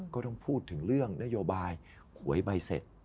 ก็ต้องพูดถึงเรื่องนโยบายหวยใบเสร็จ